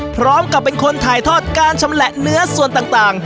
พร้อมกับเป็นคนถ่ายทอดการชำแหละเนื้อส่วนต่าง